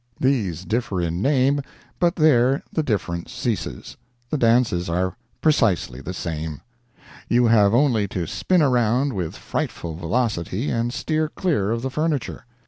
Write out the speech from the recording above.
These differ in name, but there the difference ceases—the dances are precisely the same. You have only to spin around with frightful velocity and steer clear of the furniture.